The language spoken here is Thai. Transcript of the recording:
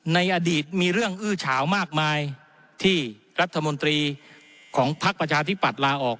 ในอดีตมีเรื่องอื้อเฉามากมายที่รัฐมนตรีของพักประชาธิปัตย์ลาออก